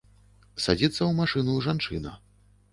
Садзіцца ў машыну жанчына.